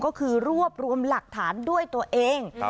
ก็คือรวบรวมหลักฐานด้วยตัวเอง